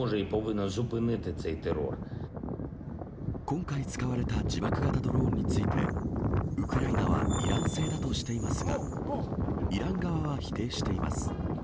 今回使われた自爆型ドローンについて、ウクライナはイラン製だとしていますが、イラン側は否定しています。